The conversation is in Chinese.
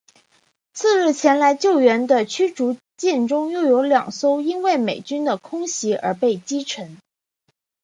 次日前来救援的驱逐舰中又有两艘因为美军的空袭而被击沉。